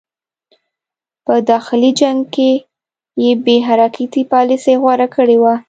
په داخلي جنګ کې یې بې حرکتي پالیسي غوره کړې وه.